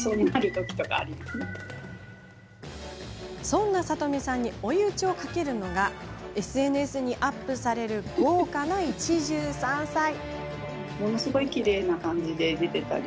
そんな、さとみさんに追い打ちをかけるのがＳＮＳにアップされる豪華な一汁三菜。